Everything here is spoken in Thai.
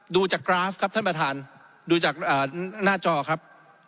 ดูจากกราฟครับท่านประธานดูจากหน้าจอครับ